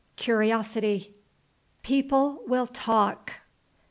CURIOSITY. People will talk.